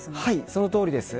そのとおりです。